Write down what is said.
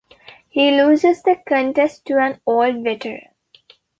He loses the contest to an old veteran.